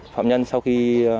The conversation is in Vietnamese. phạm nhân sau khi